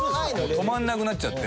止まらなくなっちゃって。